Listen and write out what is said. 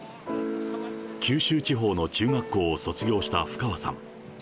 九州地方の中学校を卒業した布川さん。